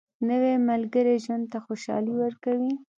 نوې ملګرې ژوند ته خوشالي ورکوي